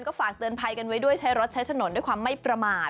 ก็ฝากเตือนภัยกันไว้ด้วยใช้รถใช้ถนนด้วยความไม่ประมาท